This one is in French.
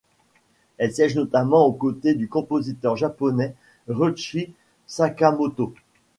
Elle siège notamment aux côtés du compositeur japonais Ryūichi Sakamoto.